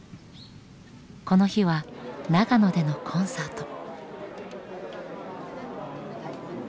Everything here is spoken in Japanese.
この日は長野でのコンサート。